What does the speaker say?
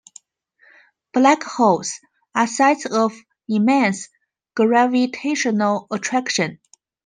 Black holes are sites of immense gravitational attraction.